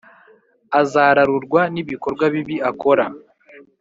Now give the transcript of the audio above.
uzararurwa n’ibikorwa bibi akora